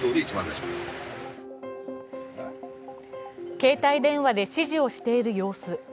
携帯電話で指示をしている様子。